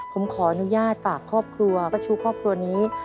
ผมขออนุญาตฝากครอบครัวป้าชู้ครอบครัวนี้